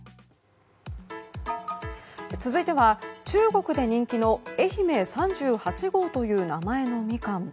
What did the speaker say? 続いては、中国で人気の愛媛３８号という名前のミカン。